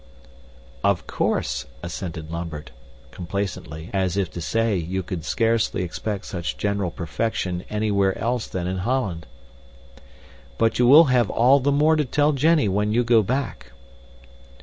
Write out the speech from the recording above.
"Of course," assented Lambert, complacently, as if to say You could scarcely expect such general perfection anywhere else than in Holland. "But you will have all the more to tell Jenny when you go back."